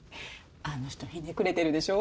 あの人ひねくれてるでしょ？